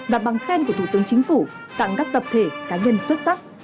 và bằng khen của thủ tướng chính phủ tặng các tập thể cá nhân xuất sắc